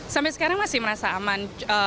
sampai sekarang masih merasa aman